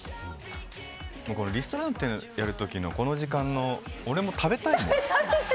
リストランテをやる時のこの時間俺も食べたいもん。